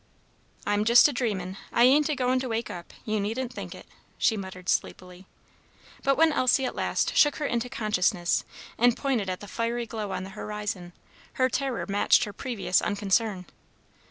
"I'm just a dreaming. I ain't a going to wake up; you needn't think it," she muttered sleepily. But when Elsie at last shook her into consciousness, and pointed at the fiery glow on the horizon, her terror matched her previous unconcern.